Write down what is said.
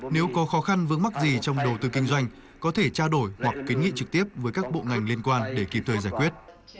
nếu có khó khăn vướng mắc gì trong đầu tư kinh doanh có thể trao đổi hoặc kiến nghị trực tiếp với các bộ ngành liên quan để kịp thời giải quyết